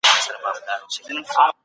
وخت د هیچا لپاره نه دریږي.